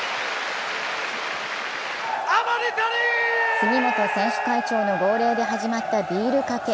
杉本選手会長の号令で始まったビールかけ。